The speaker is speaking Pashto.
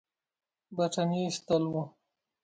برټانیې ایستل وو.